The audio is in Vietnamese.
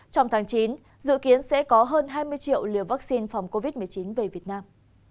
trong tháng chín dự kiến sẽ có hơn hai mươi triệu liều vaccine phòng covid một mươi chín về việt nam